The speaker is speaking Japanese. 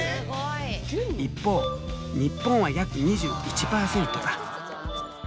一方日本は約２１％だ。